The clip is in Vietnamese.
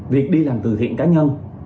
việc đi làm từ thiện cá nhân